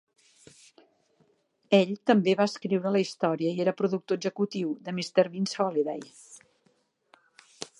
Ell també va escriure la història i era productor executiu de "Mr. Bean's Holiday".